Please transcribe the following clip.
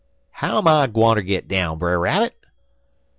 "'How I gwineter git down, Brer Rabbit?'